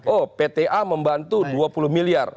oh pta membantu dua puluh miliar